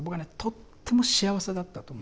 とっても幸せだったと思うんです。